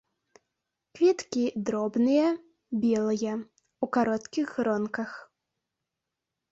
Кветкі дробныя, белыя, у кароткіх гронках.